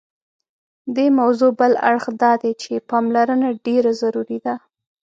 دې موضوع بل اړخ دادی چې پاملرنه ډېره ضروري ده.